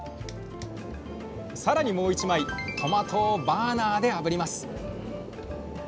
更にもう１枚トマトをバーナーであぶります